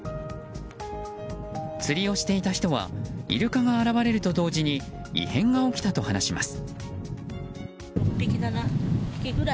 釣りをしていた人はイルカが現れると同時に異変が起きたと話します。